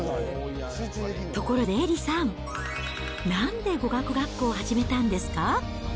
ところでエリさん、なんで語学学校を始めたんですか？